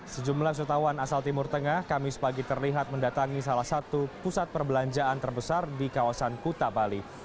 sejumlah wisatawan asal timur tengah kamis pagi terlihat mendatangi salah satu pusat perbelanjaan terbesar di kawasan kuta bali